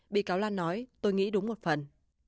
bị cáo lan nói tôi nghĩ đúng một phần